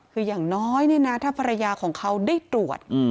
คืออย่างน้อยเนี่ยนะถ้าภรรยาของเขาได้ตรวจ